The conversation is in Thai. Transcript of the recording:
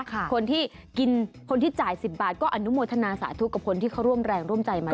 คนที่กินคนที่จ่าย๑๐บาทก็อนุโมทนาสาธุกับคนที่เขาร่วมแรงร่วมใจมา